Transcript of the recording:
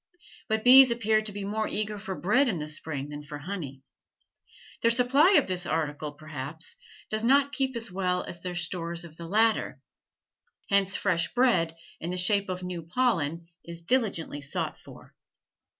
But bees appear to be more eager for bread in the spring than for honey; their supply of this article, perhaps, does not keep as well as their stores of the latter, hence fresh bread, in the shape of new pollen, is diligently sought for.